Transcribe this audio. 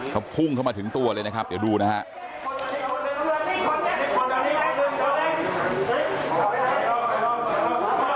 เขาพุ่งเข้ามาถึงตัวเลยนะครับเดี๋ยวดูนะครับ